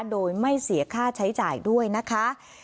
โดยไม่เสียค่าใช้จ่ายด้วยนะคะ